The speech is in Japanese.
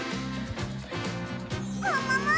ももも！